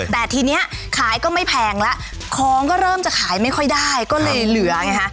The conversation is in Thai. แต่ทีนี้ขายก็ไม่แพงแล้วของก็เริ่มจะขายไม่ค่อยได้ก็เลยเหลือไงฮะ